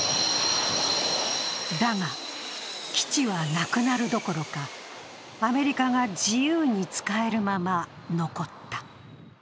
だが、基地はなくなるどころか、アメリカが自由に使えるまま残った。